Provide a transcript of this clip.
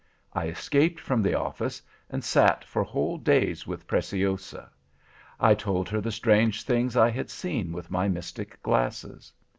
I escaped from the office, and sat for whole days with Preciosa. I told her the strange things I had seen with my mystic glasses.